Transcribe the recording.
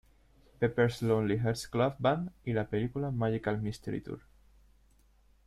Pepper's Lonely Hearts Club Band" y la película "Magical Mystery Tour".